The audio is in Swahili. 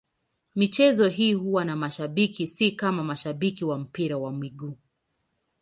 Michezo hii huwa na mashabiki, si kama mashabiki wa mpira wa miguu.